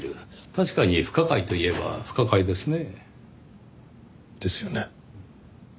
確かに不可解と言えば不可解ですねぇ。ですよね？